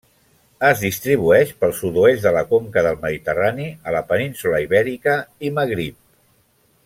Es distribueix pel sud-oest de la conca del Mediterrani a la península Ibèrica i Magrib.